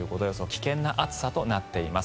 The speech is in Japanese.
危険な暑さとなっています。